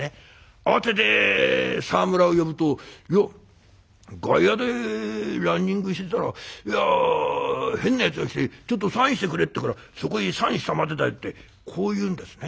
慌てて沢村を呼ぶと「いや外野でランニングしてたら変なやつが来てちょっとサインしてくれって言うからそこへサインしたまでだ」ってこう言うんですね。